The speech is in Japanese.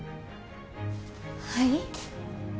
はい？